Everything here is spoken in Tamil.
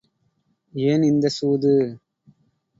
ஏன் இந்தச் சூது?